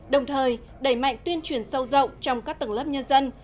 đồng thời đẩy mạnh tuyên truyền sâu rộng trong các tầng lớp nhân dân